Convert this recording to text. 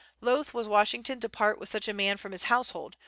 Loath was Washington to part with such a man from his household.